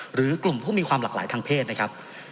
หรือกลุ่มผู้มีความหลากหลายทางเพศนะครับ